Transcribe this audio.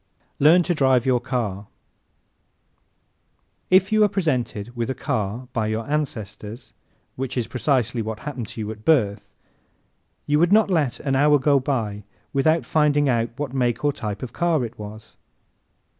Learn to Drive Your Car ¶ If you were presented with a car by your ancestors which is precisely what happened to you at birth you would not let an hour go by without finding out what make or type of car it was.